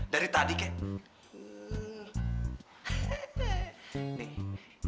dari tadi kayak